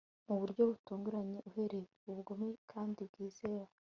Mu buryo butunguranye uhereye ku bugome kandi bwizewe